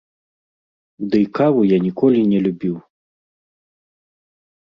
Дый каву я ніколі не любіў.